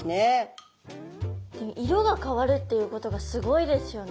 色が変わるっていうことがすごいですよね。